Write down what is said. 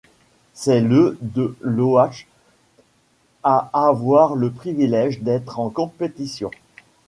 C'est le de Loach à avoir le privilège d'être en compétition.